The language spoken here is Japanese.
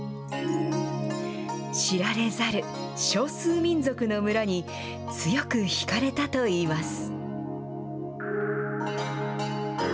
知られざる少数民族の村に、強く引かれたといいます。